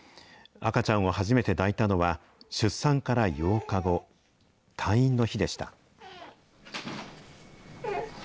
赤ちゃんを初めて抱いたのは、出産から８日後、退院の日でした。